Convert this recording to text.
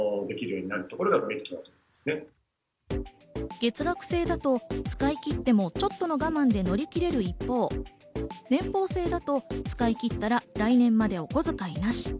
月額制だと使い切ってもちょっとの我慢で乗り切れる一方、年俸制だと使い切ったら来年までお小遣いなし。